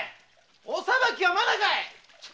お裁きはまだかい！